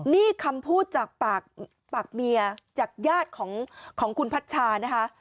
นี่คำพูดจากปากเมียจากญาติของคุณพัชชานะคะ